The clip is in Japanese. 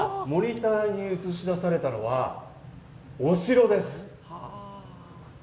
モニターに映し出されたのはお城です。